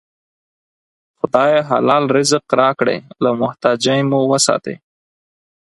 خدایه! حلال رزق راکړې، له محتاجۍ مو وساتې